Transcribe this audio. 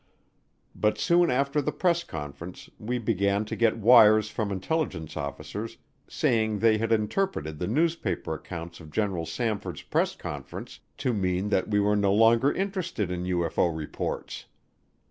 But soon after the press conference we began to get wires from intelligence officers saying they had interpreted the newspaper accounts of General Samford's press conference to mean that we were no longer interested in UFO reports.